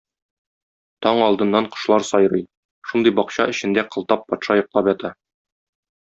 Таң алдыннан кошлар сайрый, шундый бакча эчендә Кылтап патша йоклап ята.